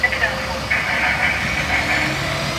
فساد ټولنه له ستونزو سره مخ کوي.